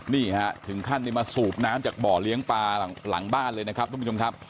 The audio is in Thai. นี่ฮะถึงขั้นนี่มาสูบน้ำจากบ่อเลี้ยงปลาหลังบ้านเลยนะครับทุกผู้ชมครับ